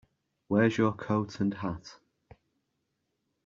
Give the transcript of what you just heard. Where's your coat and hat?